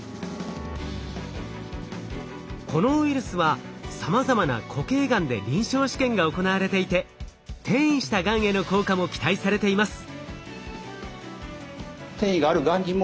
このウイルスはさまざまな固形がんで臨床試験が行われていて転移したがんへの効果も期待されています。